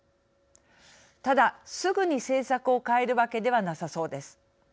ただ、すぐに政策を変えるわけではなさそうです。